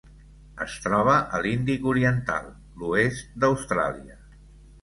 Es troba a l'Índic oriental: l'oest d'Austràlia.